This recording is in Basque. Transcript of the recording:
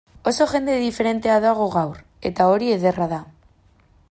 Oso jende diferentea dago gaur, eta hori ederra da.